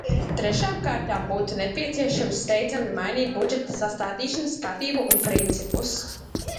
Trešām kārtām mums būtu nepieciešams steidzami mainīt budžeta sastādīšanas kārtību un principus.